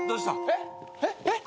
えっえっ？